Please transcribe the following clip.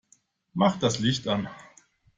Mach das Licht an!